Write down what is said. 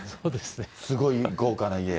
すごい豪華な家。